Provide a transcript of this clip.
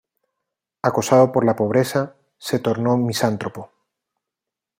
Acosado por la pobreza, se tornó misántropo.